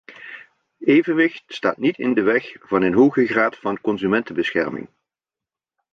Evenwicht staat niet in de weg van een hoge graad van consumentenbescherming.